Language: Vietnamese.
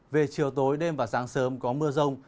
về chiều tối đêm và sáng sớm có mưa rông